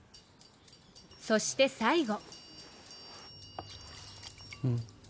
そして最後。